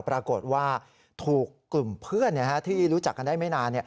ปรากฏว่าถูกกลุ่มเพื่อนที่รู้จักกันได้ไม่นาน